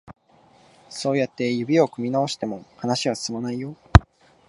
そうやって指を組み直しても、話は進まないよ。